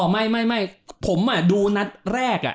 อ๋อไม่ไม่ไม่ผมอ่ะดูนัดแรกอ่ะ